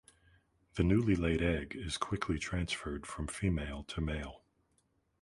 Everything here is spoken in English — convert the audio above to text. The newly laid egg is quickly transferred from female to male.